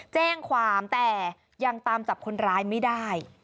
แจ้งความแต่ยังตามจับคนร้ายไม่ได้